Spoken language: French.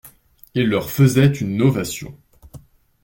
Ils leur faisaient une ovation.